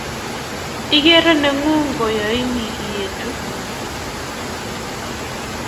Iker nengung koyaiin ietu